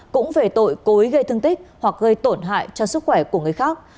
cũng về tội cố ý gây thương tích hoặc gây tổn hại cho sức khỏe của người khác